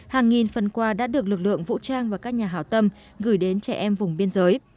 hàng nghìn phần qua đã được lực lượng vũ trang và các nhà hảo tâm gửi đến trẻ em vùng biên giới